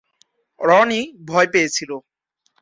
রনি ভয় পেয়েছিল।